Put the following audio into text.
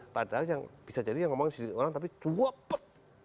padahal yang bisa jadi yang ngomongin sedikit orang tapi dua pet